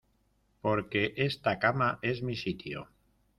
Porque esta cama es mi sitio.